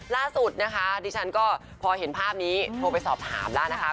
ล่าสุดนะคะดิฉันก็พอเห็นภาพนี้โทรไปสอบถามแล้วนะคะ